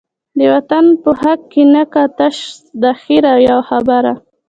د وطن په حق کی نه کا، تش دخیر یوه خبره